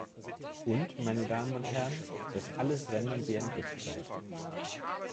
Und, meine Damen und Herren, das alles rendern wir in Echtzeit